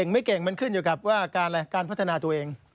ไม่เก่งมันขึ้นอยู่กับการพัฒนาตัวเอง